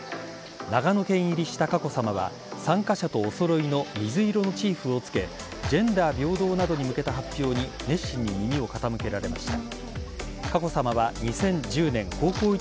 長野県入りした佳子さまは参加者とお揃いの水色のチーフを着けジェンダー平等などに向けた発表に熱心に耳を傾けられました。